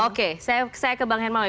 oke saya ke bang hermawi